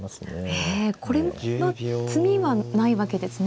ええこれは詰みはないわけですね